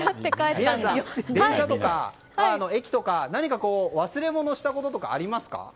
宮司さん、電車とか駅とか、何か忘れ物したことありますか？